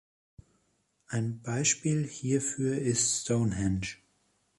Ein Beispiel hierfür ist Stonehenge.